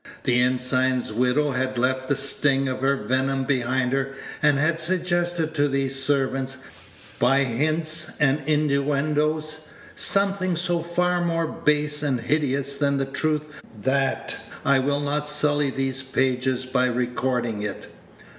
The ensign's widow had left the sting of her venom behind her, and had suggested to these servants, by hints and innuendoes, something so far more base and hideous than the truth that I will not sully these pages by recording it.